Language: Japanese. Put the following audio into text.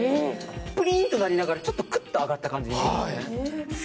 プリンッとなりながらちょっと上がった感じになります。